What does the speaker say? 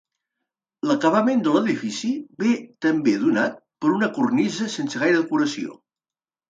L'acabament de l'edifici ve també donat per una cornisa sense gaire decoració.